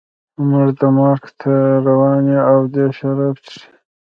موږ مرګ ته روان یو او دی شراب څښي